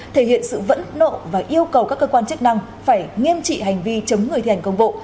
thể hiện sự phẫn nộ và yêu cầu các cơ quan chức năng phải nghiêm trị hành vi chống người thi hành công vụ